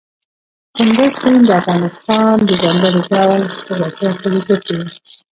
کندز سیند د افغانستان د ځانګړي ډول جغرافیه استازیتوب کوي.